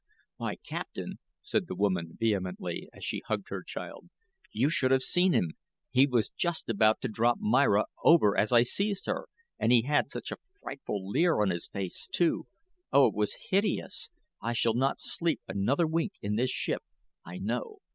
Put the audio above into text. "Why, captain," said the woman, vehemently, as she hugged her child, "you should have seen him; he was just about to drop Myra over as I seized her and he had such a frightful leer on his face, too. Oh, it was hideous. I shall not sleep another wink in this ship I know."